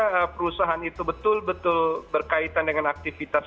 oke yang tadi bila perusahaan itu betul betul berkaitan dengan aktivitas